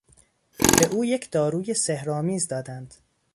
به او یک داروی سحرآمیز دادند.